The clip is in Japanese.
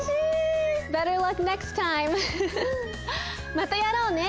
またやろうね。